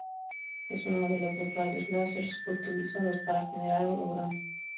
Es uno de dos rayos láseres utilizados para generar hologramas.